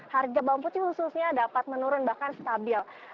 harga bawang putih khususnya dapat menurun bahkan stabil